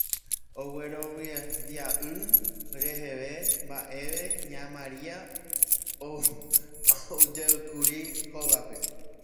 Oguerovia'ỹ reheve mba'eve ña Maria oujeýkuri hógape